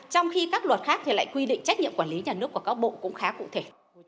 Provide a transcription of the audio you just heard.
trong khi các luật khác thì lại quy định trách nhiệm quản lý nhà nước của các bộ cũng khá cụ thể